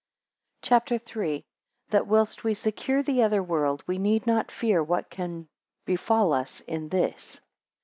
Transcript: CHAPTER III. 1 That, whilst we secure the other world, we need not fear what can befall its in this.